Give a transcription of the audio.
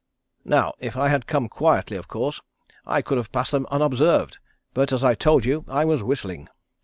Now, if I had come quietly, of course, I could have passed them unobserved, but as I told you I was whistling.